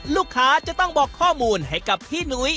ลูกค้าจะต้องบอกข้อมูลให้กับพี่หนุ้ย